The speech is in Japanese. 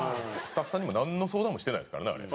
スタッフさんにもなんの相談もしてないですからねあれ。